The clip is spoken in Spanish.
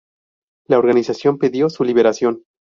La organización pidió su liberación.